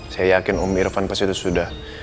saya yakin om irfan pasti itu sudah